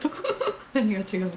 何が違うの？